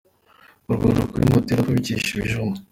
Baryama kuri Matera babikesha ibijumba